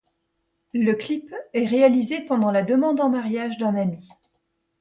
Le clip est réalisé pendant la demande en mariage d'un ami.